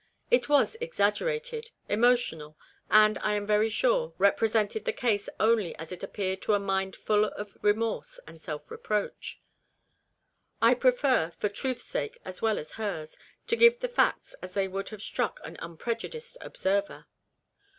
It was exaggerated, emotional, and, I am very sure, represented the case only as it appeared to a mind full of remorse and self reproach. I prefer, for truth's sake as well as hers, to give the facts as they would have struck an unprejudiced observer.